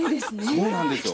そうなんですよ。